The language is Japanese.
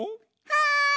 はい！